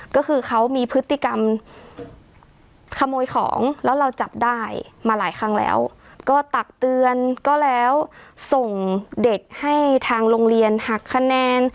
ก็คือเขามีพฤติกรรมขโมยของแล้วเราจับได้มาหลายครั้งแล้วก็ตักเตือนก็แล้วส่งเด็กให้ทางโรงเรียนหักคะแนน